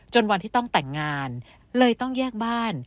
วันที่ต้องแต่งงานเลยต้องแยกบ้าน